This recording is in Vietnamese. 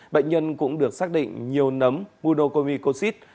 bệnh nhân cũng được xác định nhiều nấm monocomicosis